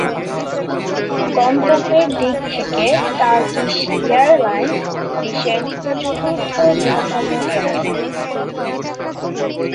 গন্তব্যের দিক থেকে টার্কিশ এয়ারলাইন্স বিশ্বের চতুর্থ বৃহত্তম এয়ারলাইন্স।